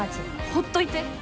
ほっといて。